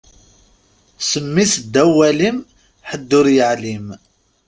Ssem-is ddaw walim, ḥedd ur yeɛlim.